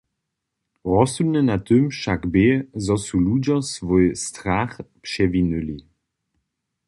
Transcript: Rozsudne na tym wšak bě, zo su ludźo swój strach přewinyli.